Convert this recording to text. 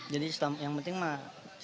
jadi yang penting selamat aja